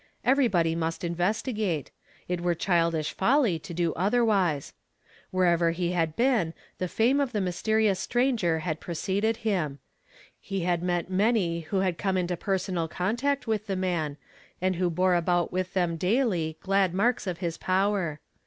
Everybody must investigate; it were childish folly to do o '<prwise. Whertiver he had been, the fame of the terious strar.ger had pre ceded him. lie had many who liad come into personal contact with Uie man, and who bore about with them daily glad marks of his power.